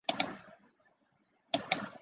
与相邻。